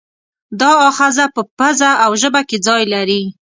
دا آخذه په پزه او ژبه کې ځای لري.